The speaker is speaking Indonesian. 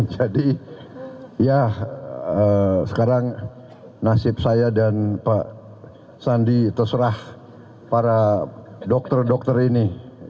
jadi ya sekarang nasib saya dan pak sandi terserah para dokter dokter ini